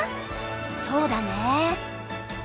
そうだね。